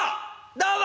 どうも。